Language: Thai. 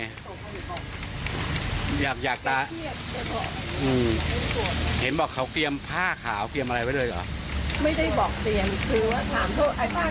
เธออย่ายุ่งเรื่องฉันดีกว่าเดี๋ยวแล้วในจำนวงเราคิดว่าเขาเปลี่ยนให้ใครก็ไม่รู้